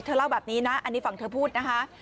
เล่าแบบนี้นะอันนี้ฝั่งเธอพูดนะคะ